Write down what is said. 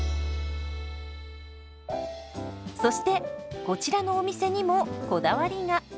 そしてこちらのお店にもこだわりが。